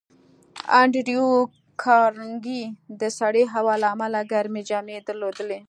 انډریو کارنګي د سړې هوا له امله ګرمې جامې درلودې